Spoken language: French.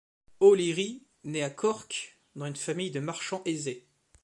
O'Leary naît à Cork dans une famille de marchands aisés.